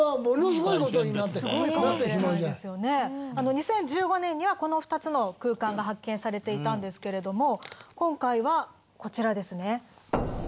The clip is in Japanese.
２０１５年にはこの２つの空間が発見されていたんですけれども今回はこちらですね。